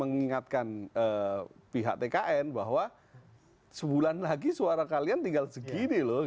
mengingatkan pihak tkn bahwa sebulan lagi suara kalian tinggal segini loh